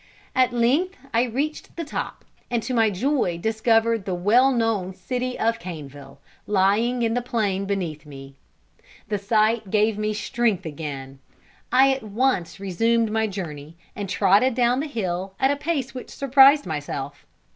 At length I reached the top, and to my joy discovered the well known city of Caneville, lying in the plain beneath me. The sight gave me strength again. I at once resumed my journey, and trotted down the hill at a pace which surprised myself.